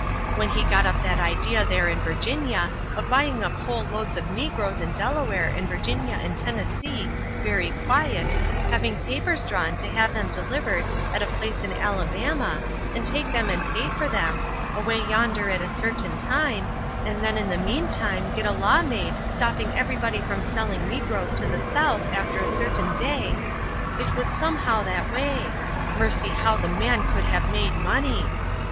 When he got up that idea there in Virginia of buying up whole loads of negroes in Delaware and Virginia and Tennessee, very quiet, having papers drawn to have them delivered at a place in Alabama and take them and pay for them, away yonder at a certain time, and then in the meantime get a law made stopping everybody from selling negroes to the south after a certain day it was somehow that way mercy how the man would have made money!